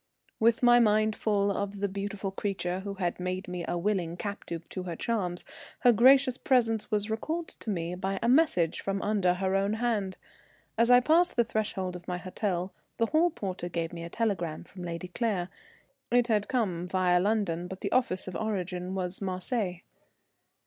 With my mind full of the beautiful creature who had made me a willing captive to her charms, her gracious presence was recalled to me by a message from under her own hand. As I passed the threshold of my hotel, the hall porter gave me a telegram from Lady Claire. It had come via London, but the office of origin was Marseilles.